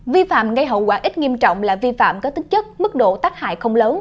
vi phạm gây hậu quả ít nghiêm trọng là vi phạm có tính chất mức độ tác hại không lớn